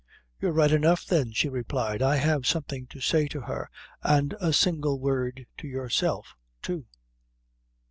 "You're right enough, then," she replied; "I have something to say to her, and a single word to yourself, too."